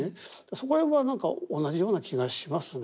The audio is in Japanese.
そこら辺は何か同じような気がしますね。